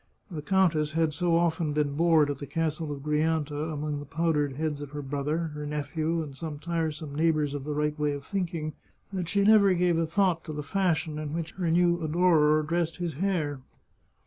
The countess had so often been bored at the Castle of Grianta, among the powdered heads of her brother, her nephew, and some tiresome neighbours of the right way of thinking, that she never gave a thought to the fashion in which her new adorer dressed his hair.